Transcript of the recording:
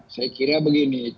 saya kira begini